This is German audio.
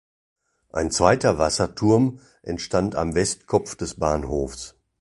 Ein zweiter Wasserturm entstand am Westkopf des Bahnhofs.